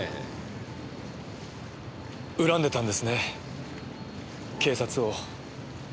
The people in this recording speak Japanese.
恨んでたんですね警察を。